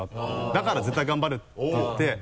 だから絶対頑張るって言って。